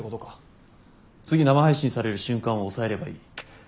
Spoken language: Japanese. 次生配信される瞬間を押さえればいい。